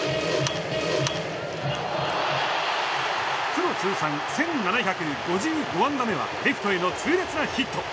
プロ通算１７５５安打目はレフトへの痛烈なヒット。